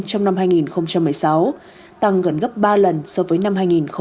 trong năm hai nghìn một mươi sáu tăng gần gấp ba lần so với năm hai nghìn một mươi bảy